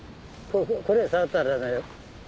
これは触ったらダメよ。